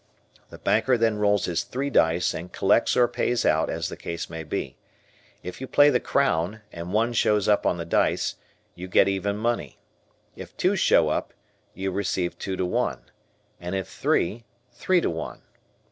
The banker then rolls his three dice and collects or pays out as the case may be. If you play the crown and one shows up on the dice, you get even money, if two show up, you receive two to one, and if three, three to one.